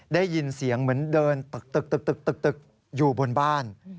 ได้ยินเสียงเหมือนเดินตึกอยู่บนบ้าน